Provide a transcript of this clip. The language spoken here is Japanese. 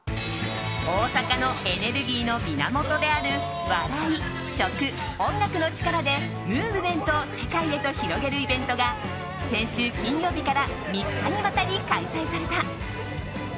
大阪のエネルギーの源である笑い、食、音楽の力でムーブメントを世界へと広げるイベントが先週金曜日から３日にわたり開催された。